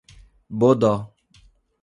Bodó